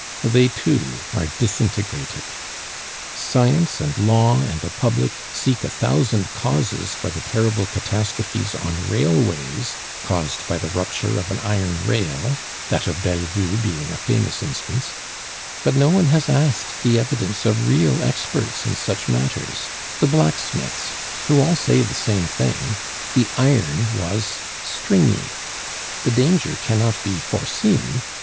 They too are disintegrated. Science and law and the public seek a thousand causes for the terrible catastrophes on railways caused by the rupture of an iron rail, that of Bellevue being a famous instance; but no one has asked the evidence of real experts in such matters, the blacksmiths, who all say the same thing, "The iron was stringy!" The danger cannot be foreseen.